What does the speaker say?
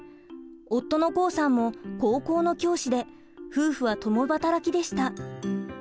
夫の功さんも高校の教師で夫婦は共働きでした。